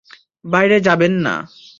বাইরে যাবেন না!